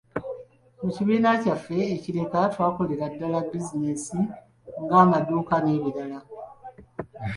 Mu kibiina kyaffe e Kireka, twakolera ddala bizinensi ng'amaduuka, n'ebirala.